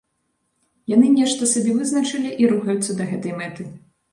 Яны нешта сабе вызначылі і рухаюцца да гэтай мэты.